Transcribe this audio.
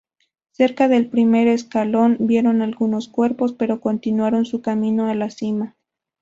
Cerca del Primer Escalón, vieron algunos cuerpos, pero continuaron su camino a la cima.